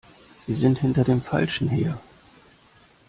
Sie sind hinter dem Falschen her!